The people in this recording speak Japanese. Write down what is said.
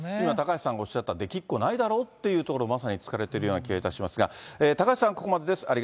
今、高橋さんがおっしゃったできっこないだろうというところをまさに突かれているような気がいたしますが、高橋さん、ここまでです。